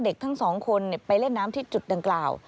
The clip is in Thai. ทั้งสองคนไปเล่นน้ำที่จุดดังกล่าว